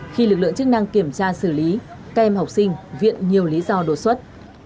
khi lực lượng chức năng kiểm tra xử lý các em học sinh viện nhiều lý do đột xuất